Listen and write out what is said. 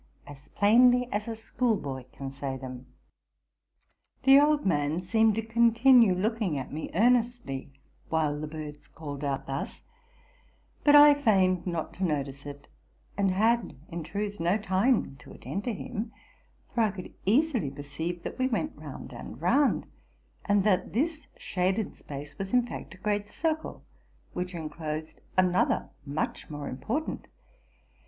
as plainly as a schoolboy can say them. The old man seemed to continue looking at me earnestly while the birds called out thus; but I feigned not to notice it, and had in truth no time to attend to him, for I could easily perceive that we went round and round, 46 TRUTH AND FICTION and that this shaded space was in fact a great cirele, which enclosed another much more important.